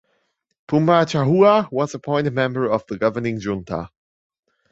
Pumacahua was appointed member of the governing junta.